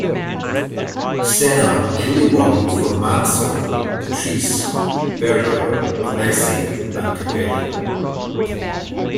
Senna duly won from Mansell, Patrese, Berger, Alesi, and Capelli.